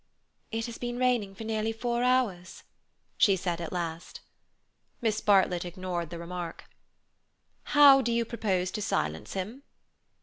"It has been raining for nearly four hours," she said at last. Miss Bartlett ignored the remark. "How do you propose to silence him?"